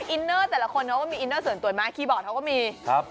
อินเนอร์แต่ละคนเขาก็มีอินเนอร์ส่วนตัวมาคีย์บอร์ดเขาก็มีครับ